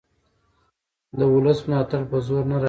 د ولس ملاتړ په زور نه راځي